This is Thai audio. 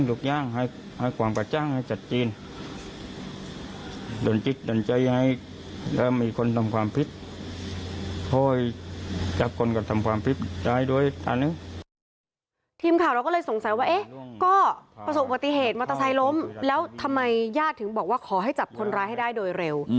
ทีมข่าวเราก็เลยสงสัยว่าเอ๊ะก็ประสบอุบัติเหตุมอเตอร์ไซค์ล้มแล้วทำไมญาติถึงบอกว่าขอให้จับคนร้ายให้ได้โดยเร็ว